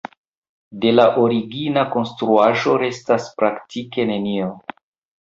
De la origina konstruaĵo restas praktike nenio.